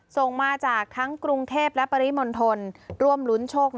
ส่งมาจากทั้งกรุงเทพฯและปริมณฑล